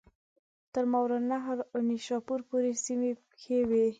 تر ماوراءالنهر او نیشاپور پوري سیمي پکښي وې.